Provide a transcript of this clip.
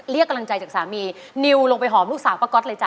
เรียกกำลังใจจากสามีนิวลงไปหอมลูกสาวป้าก๊อตเลยจ้